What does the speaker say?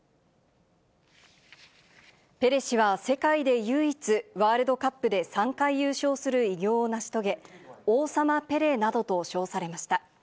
ペレ氏は世界で唯一、ワールドカップで３回優勝する偉業を成し遂げ、王様ペレなどと称されました。